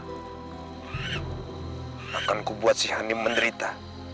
nah aku akan membuat si hanim menderita